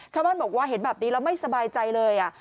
ชาวบ้านบอกว่าเห็นแบบนี้แล้วไม่สบายใจเลย